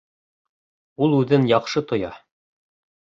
Ул үҙен яҡшы тоя.